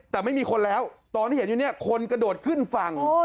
แต่ไม่มีคนแล้วตอนที่เห็นอยู่เนี่ยคนกระโดดขึ้นฝั่ง